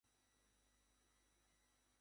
আমার প্রেম যেখানে তোমার প্রেম সেখানে নেই।